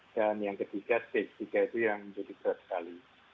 dan yang ketiga stage tiga itu yang menjadi berat sekali